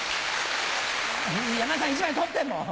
山田さん１枚取ってもう。